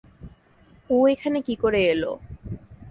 ও এখানে কি করে এলো!